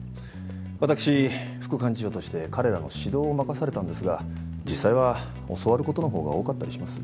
私副幹事長として彼らの指導を任されたんですが実際は教わることのほうが多かったりします。